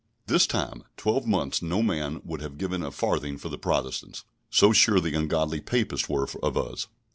This time twelvemonths no man would have given a farthing for the Protestants, so sure the ungodly Papists were of us.